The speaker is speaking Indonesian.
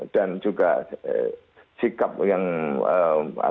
dan juga sikap yang agak diperhatikan